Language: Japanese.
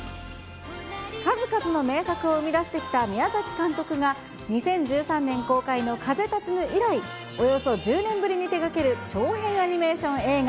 数々の名作を生み出してきた宮崎監督が、２０１３年公開の風立ちぬ以来、およそ１０年ぶりに手がける長編アニメーション映画。